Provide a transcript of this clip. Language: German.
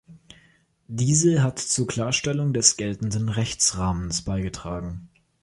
Diese hat zur Klarstellung des geltenden Rechtsrahmens beigetragen.